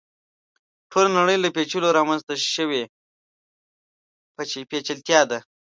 ټوله نړۍ له پېچلو رامنځته شوې پېچلتیا ده.